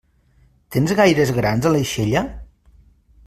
Tens gaires grans a l'aixella?